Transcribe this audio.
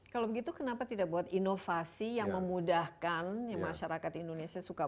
kalau begitu kenapa tidak buat inovasi yang memudahkan masyarakat indonesia suka